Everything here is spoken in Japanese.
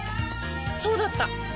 そうだった！